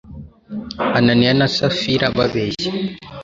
ananiya na safira babeshya